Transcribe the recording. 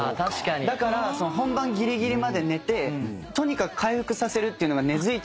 だから本番ギリギリまで寝てとにかく回復させるっていうのが根付いちゃって。